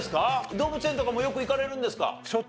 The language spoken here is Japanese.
動物園とかもよく行かれるんですか？